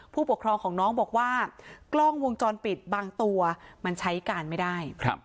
ผู้ปกครองของน้องบอกว่ากล้องวงจรปิดบางตัวมันใช้การไม่ได้